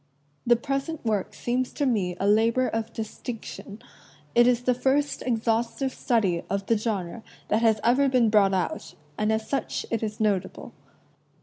The present work seems to me a labor of distinction. It is the first exhaustive study of the genre that has ever been brought out, and as such it is notable.